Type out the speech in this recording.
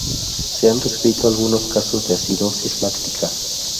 Se han descrito algunos casos de acidosis láctica.